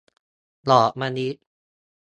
ดอกมะลิ